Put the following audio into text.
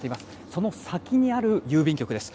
その先にある郵便局です。